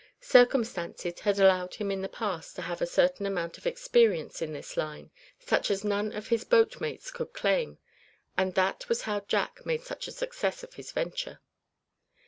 Circumstances had allowed him in the past to have a certain amount of experience in this line, such as none of his boatmates could claim; and that was how Jack made such a success of his venture.